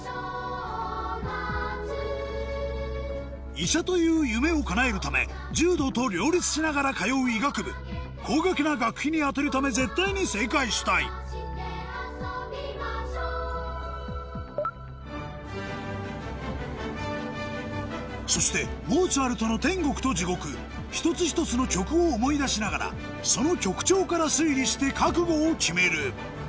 医者という夢を叶えるため柔道と両立しながら通う医学部高額な学費に充てるため絶対に正解したいそしてモーツァルトの『天国と地獄』一つ一つの曲を思い出しながらその曲調から推理して覚悟を決める